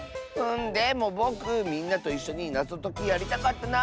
でもぼくみんなといっしょになぞときやりたかったなあ。